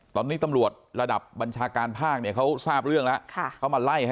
ตอนนี้ตำรวจระดับบัญชาการภาคเขาทราบเรื่องแล้ว